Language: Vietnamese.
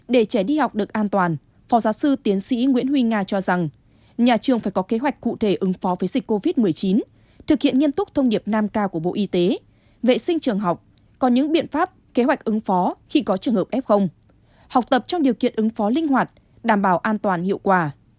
để trẻ đi học được an toàn phó giáo sư tiến sĩ nguyễn huy nga cho rằng nhà trường phải có kế hoạch cụ thể ứng phó với dịch covid một mươi chín thực hiện nghiêm túc thông điệp năm k của bộ y tế vệ sinh trường học có những biện pháp kế hoạch ứng phó khi có trường hợp f học tập trong điều kiện ứng phó linh hoạt đảm bảo an toàn hiệu quả